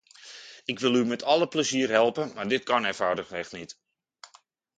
Ik wil u met alle plezier helpen maar dit kan eenvoudigweg niet.